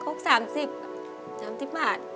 โค้ก๓๐บาท